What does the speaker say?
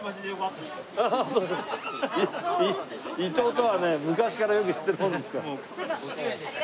伊藤とはね昔からよく知ってるもんですから。